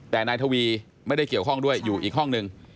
แต่นายทวีไม่ได้เกี่ยวข้องด้วยอยู่อีกห้องหนึ่ง